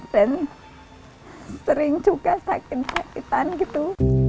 dan sering juga sakit sakitan gitu